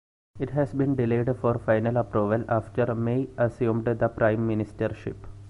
It has been delayed for final approval after May assumed the Prime Ministership.